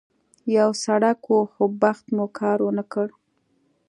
یو سړک و، خو بخت مو کار ونه کړ.